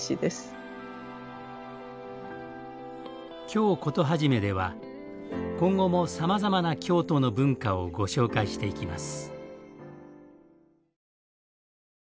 「京コトはじめ」では今後もさまざまな京都の文化をご紹介していきます。